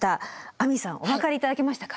亜美さんお分かり頂けましたか？